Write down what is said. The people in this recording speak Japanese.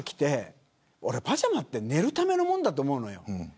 パジャマって寝るための物だと思うのよ。